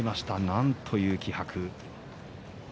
なんという気迫。